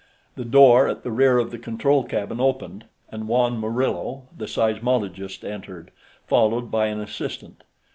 The door at the rear of the control cabin opened, and Juan Murillo, the seismologist, entered, followed by an assistant.